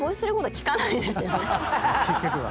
結局は。